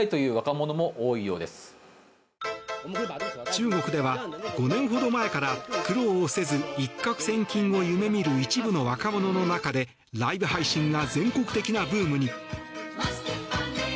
中国では、５年ほど前から苦労をせず一獲千金を夢見る一部の若者の中でライブ配信が全国的なブームに。